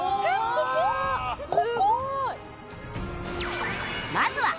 すごい！